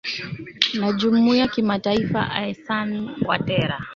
na jumuiya kimataifa alasan watera